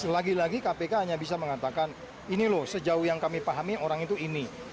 lagi lagi kpk hanya bisa mengatakan ini loh sejauh yang kami pahami orang itu ini